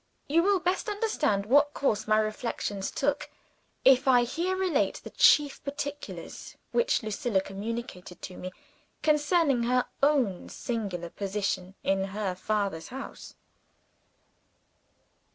You will best understand what course my reflections took, if I here relate the chief particulars which Lucilla communicated to me, concerning her own singular position in her father's house.